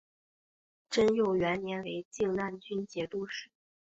贞佑元年为静难军节度使。